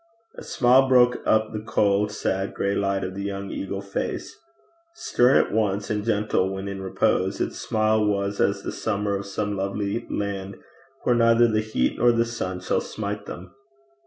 A smile broke up the cold, sad, gray light of the young eagle face. Stern at once and gentle when in repose, its smile was as the summer of some lovely land where neither the heat nor the sun shall smite them.